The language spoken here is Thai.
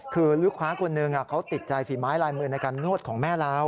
คือลูกค้าคนหนึ่งเขาติดใจฝีไม้ลายมือในการนวดของแม่เรา